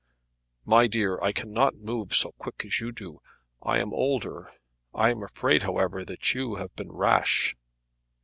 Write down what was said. "My dear, I cannot move so quick as you do; I am older. I am afraid, however, that you have been rash."